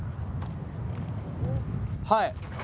はい。